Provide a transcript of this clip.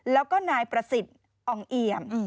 แล้วก็นายประสิทธิ์อ่องเอี่ยม